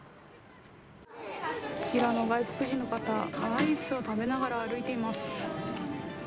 こちらの外国人の方、アイスを食べながら歩いています。